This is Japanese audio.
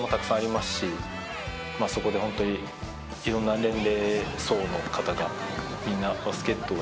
そこでホントに色んな年齢層の方がみんなバスケットを。